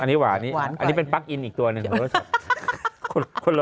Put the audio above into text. อันนี้ว่านเนี่ยอันนี้เป็นปั๊กอินอีกตัวนึง